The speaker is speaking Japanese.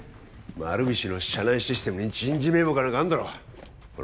丸菱の社内システムに人事名簿か何かあんだろうほら